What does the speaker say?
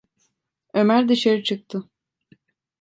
Ömer dışarı çıktı.